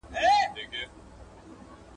د جاهل ژبه به ولي لکه توره چلېدلای `